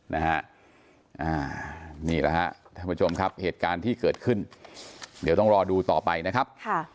นี่แหละฮะท่านผู้ชมครับเหตุการณ์ที่เกิดขึ้นเดี๋ยวต้องรอดูต่อไปนะครับ